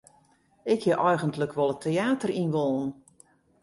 Ik hie eigentlik wol it teäter yn wollen.